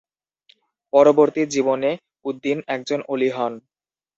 পরবর্তী জীবনে উদ্দীন একজন ওলি হন।